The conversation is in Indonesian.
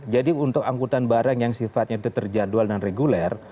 jadi untuk angkutan barang yang sifatnya itu terjadwal dan reguler